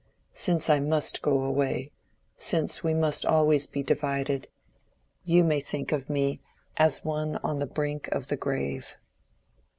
Since I must go away—since we must always be divided—you may think of me as one on the brink of the grave."